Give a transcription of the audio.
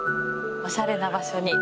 おしゃれな場所に。